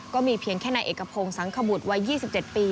ก็มีเพียงแค่ในเอกพรงสังขบุตรวัย๒๗ปี